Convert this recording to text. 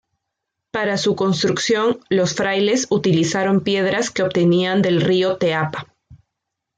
Para su construcción los frailes utilizaron piedras que obtenían del río Teapa.